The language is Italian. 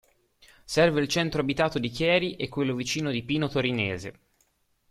Serve il centro abitato di Chieri e quello vicino di Pino Torinese.